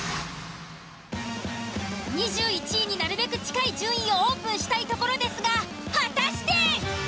２１位になるべく近い順位をオープンしたいところですが果たして！？